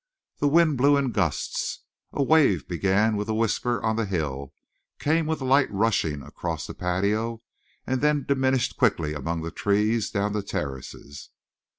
The wind blew in gusts. A wave began with a whisper on the hill, came with a light rushing across the patio, and then diminished quickly among the trees down the terraces.